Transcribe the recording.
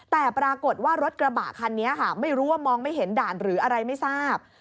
แต่ปรากฏว่ารถกระบะคันนี้ค่ะไม่รู้ว่ามองไม่เห็นด่านหรืออะไรไม่ทราบ